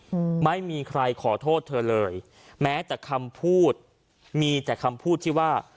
อืมไม่มีใครขอโทษเธอเลยแม้แต่คำพูดมีแต่คำพูดที่ว่า